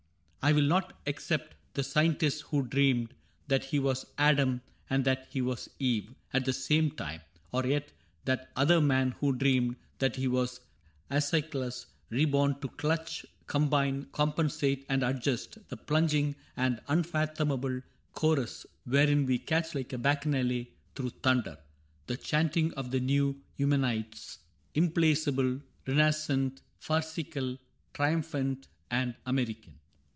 I '11 not except the scientist who dreamed That he was Adam and that he was Eve At the same time ; or yet that other man Who dreamed that he was ^schylus, reborn To clutch, combine, compensate, and adjust The plunging and unfathomable chorus Wherein we catch, like a bacchanale through thunder. The chanting of the new Eumenides, 46 CAPTAIN CRAIG Implacable, renascent, farcical. Triumphant, and American.